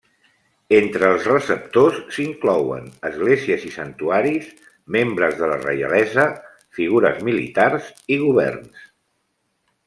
Entre els receptors s'inclouen esglésies i santuaris, membres de la reialesa, figures militars i governs.